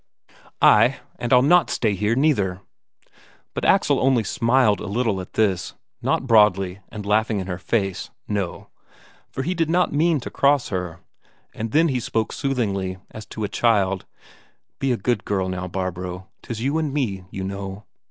"Ay, and I'll not stay here, neither." But Axel only smiled a little at this; not broadly and laughing in her face, no; for he did not mean to cross her. And then he spoke soothingly, as to a child: "Be a good girl now, Barbro. 'Tis you and me, you know."